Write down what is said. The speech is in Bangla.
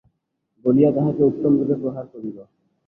বলিয়া তাহাকে উত্তমরূপে প্রহার করিল।